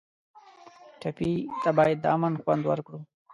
ټپي ته باید د امن خوند ورکړو.